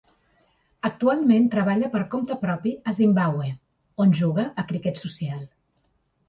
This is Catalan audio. Actualment, treballa per compte propi a Zimbàbue, on juga a criquet social.